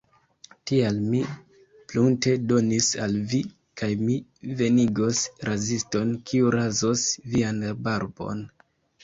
Tial, mi prunte donis al vi, kaj mi venigos raziston kiu razos vian barbon.